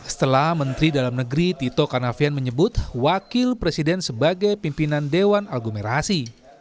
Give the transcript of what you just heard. setelah menteri dalam negeri tito karnavian menyebut wakil presiden sebagai pimpinan dewan aglomerasi